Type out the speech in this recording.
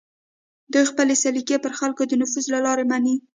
دوی خپلې سلیقې پر خلکو د نفوذ له لارې مني